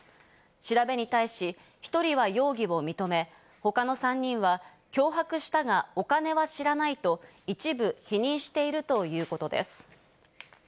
調べに対し１人は容疑を認め、他の３人は脅迫したが、お金は知らないと一部否認しているということです。